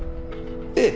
ええ。